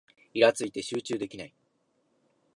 イラついて集中できない